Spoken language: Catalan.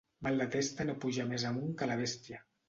Mal de testa no puja més amunt que la bèstia.